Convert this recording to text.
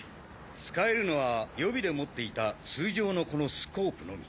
使えるのは予備で持っていた通常のこのスコープのみ。